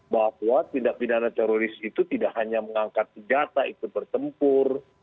bahwa tindak pidana teroris itu tidak hanya mengangkat senjata ikut bertempur